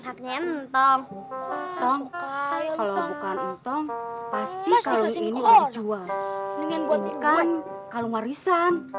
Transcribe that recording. kan haknya entang kalau bukan untung pasti kalau ini jual dengan buat kan kalau warisan